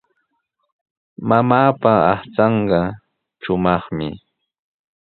Mamaapa aqchanqa shumaqmi.